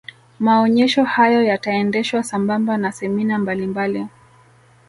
maonyesho hayo yataendeshwa sambamba na semina mbalimbali